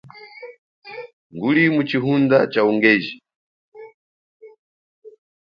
Nguli muchihunda cha ungeji.